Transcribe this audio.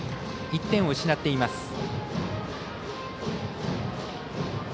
１点を失っています。